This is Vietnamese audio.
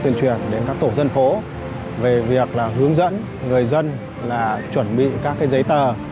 tuyên truyền đến các tổ dân phố về việc hướng dẫn người dân chuẩn bị các giấy tờ